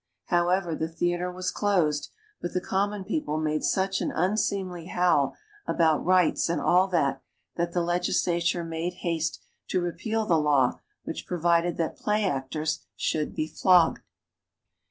However, the theater was closed, but the "Common People" made such an unseemly howl about "rights" and all that, that the Legislature made haste to repeal the law which provided that play actors should be flogged.